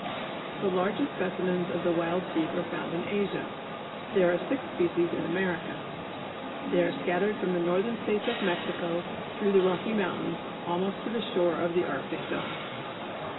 The largest of specimens of wild sheep are found in Asia. There are six species in America. They are scattered from the northern states of Mexico through the Rocky Mountains, almost to the shore of the Arctic zone.